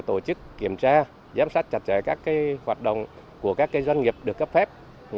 tổ chức kiểm tra giám sát chặt chẽ các hoạt động của các doanh nghiệp được cấp phép